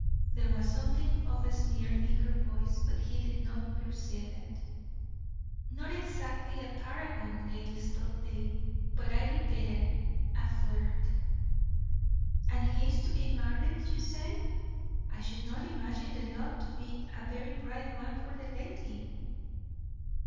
There was something of a sneer in her voice, but he did not perceive it. "Not exactly a paragon, Lady Studleigh; but I repeat it a flirt." "And he is to be married, you say? I should not imagine the lot to be a very bright one for the lady."